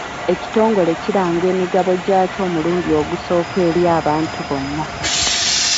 Ekitongole kiranga emigabo gyaakyo omulundi ogusooka eri abantu bonna.